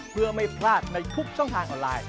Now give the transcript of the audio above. เพื่อไม่พลาดในทุกช่องทางออนไลน์